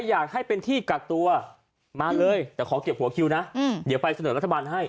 อยากให้เป็นที่กักตัวมาเลยแต่ขอเก็บหัวคิวนะเดี๋ยวไปเสนอรัฐบาลให้